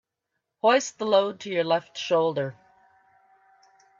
Hoist the load to your left shoulder.